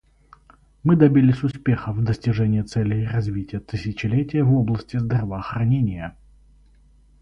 Мы добились успеха в достижении Целей развития тысячелетия в области здравоохранения.